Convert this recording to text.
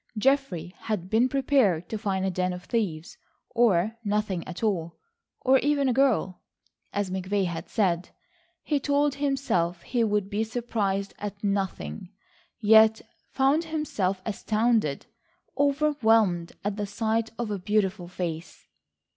Geoffrey had been prepared to find a den of thieves, or nothing at all, or even a girl, as McVay had said. He told himself he would be surprised at nothing, yet found himself astounded, overwhelmed at the sight of a beautiful face.